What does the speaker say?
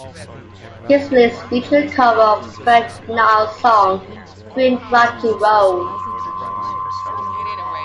This release featured a cover of the Fred Neil song "Green Rocky Road".